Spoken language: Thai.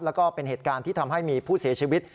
แล้วก็เป็นเหตุการณ์ที่ทำให้มีผู้เสียชีวิต